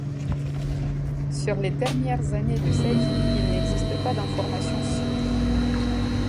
Sur les dernières années de sa vie, il n'existe pas d'informations sûres.